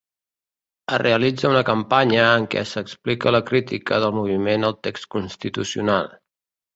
Es realitza una campanya en què s’explica la crítica del moviment al text Constitucional.